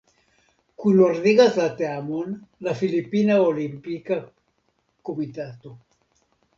Kunordigas la teamon la Filipina Olimpika Komitato.